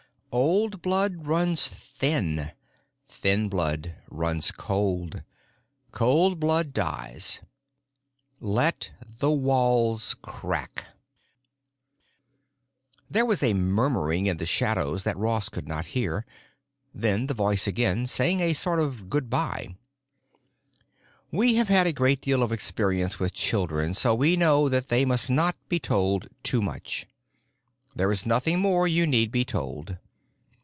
"Old blood runs thin. Thin blood runs cold. Cold blood dies. Let the walls crack." There was a murmuring in the shadows that Ross could not hear. Then the voice again, saying a sort of good by. "We have had a great deal of experience with children, so we know that they must not be told too much. There is nothing more you need be told.